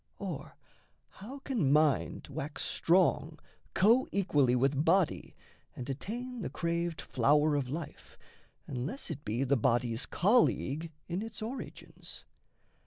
Or how can mind wax strong Coequally with body and attain The craved flower of life, unless it be The body's colleague in its origins?